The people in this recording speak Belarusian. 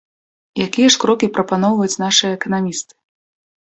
Якія ж крокі прапаноўваюць нашыя эканамісты?